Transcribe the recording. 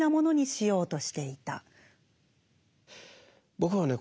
僕はね